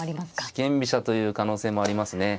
四間飛車という可能性もありますね。